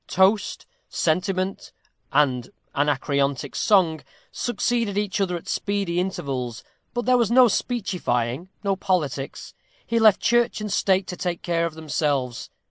Toast, sentiment, and anacreontic song, succeeded each other at speedy intervals; but there was no speechifying no politics. He left church and state to take care of themselves.